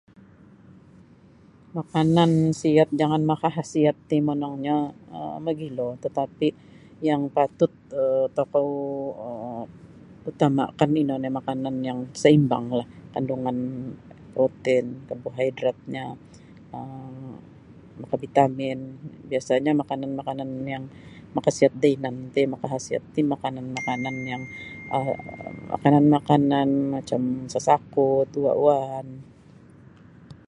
Makanan siat jangan makahasiat ti monongnyo um mogilo tatapi yang patut um tokou um utamakan ino nio makanan yang saimbanglah kandungan protein karbohidratnyo um makabitamin biasanyo makanan-makanan yang makasiat da inan ti makahasiat ti makanan-makanan yang um makanan-makanan macam sasakut uwa-uwaan.